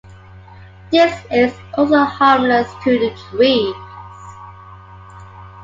This is also harmless to the trees.